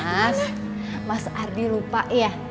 mas ardi lupa ya